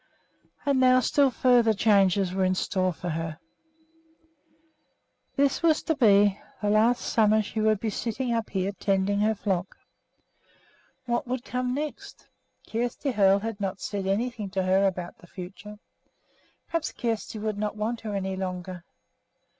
And now still further changes were in store for her. This was to be the last summer she would be sitting up here tending her flock. What would come next? Kjersti Hoel had not said anything to her about the future, perhaps Kjersti would not want her any longer.